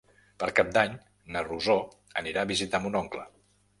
Per Cap d'Any na Rosó anirà a visitar mon oncle.